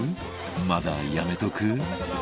まだやめとく？